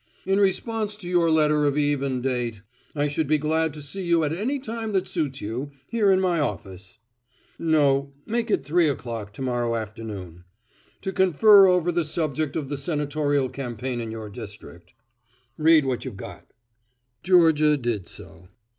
'In response to your letter of even date, I should be glad to see you at any time that suits you, here in my office ' no, make it three o'clock to morrow afternoon 'to confer over the subject of the Senatorial campaign in your district.' Read what you've got." Georgia did so.